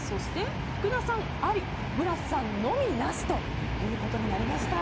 福田さん、ありブラスさんのみなしとなりました。